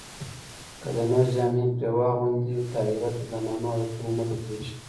که د نر جامې پرې واغوندې طاهره د زنانو عادتونه نه بدلېږي